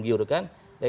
ya itu perjuangan